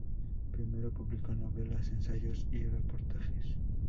Primero publicó novelas, ensayos y reportajes.